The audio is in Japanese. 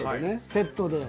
セットで。